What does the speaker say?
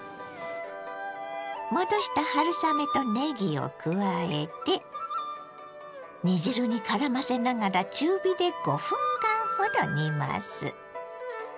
戻した春雨とねぎを加えて煮汁にからませながら中火で５分間ほど煮ます。